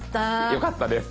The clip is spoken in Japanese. よかったです。